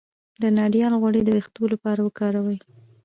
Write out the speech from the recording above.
د ناریل غوړي د ویښتو لپاره وکاروئ